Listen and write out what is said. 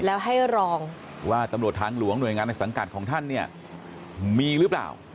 แล้วให้รองว่าตำรวจทางหลวงหน่วยงานในสังกัดของท่านเนี่ยมีหรือเปล่า